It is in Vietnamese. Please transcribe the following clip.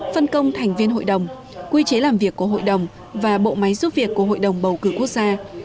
phân công thành viên hội đồng quy chế làm việc của hội đồng và bộ máy giúp việc của hội đồng bầu cử quốc gia